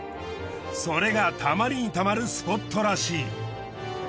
それが溜まりに溜まるスポットらしい。